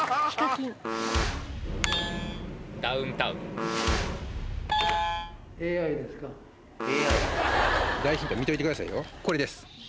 ピンポン見といてくださいよこれです！